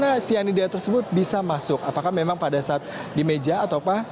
tapi coffee tersebut itu sudah disajikan di meja dana